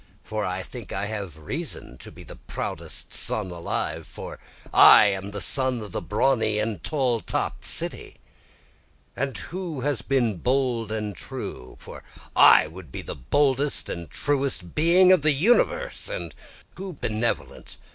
for I think I have reason to be the proudest son alive for I am the son of the brawny and tall topt city, And who has been bold and true? for I would be the boldest and truest being of the universe, And who benevolent?